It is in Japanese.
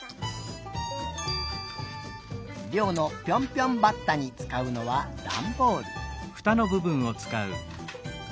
りょうのぴょんぴょんバッタにつかうのはだんボール。